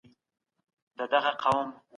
بازارونه تړل شول.